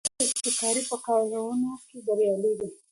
جانداد د ابتکار په کارونو کې بریالی دی.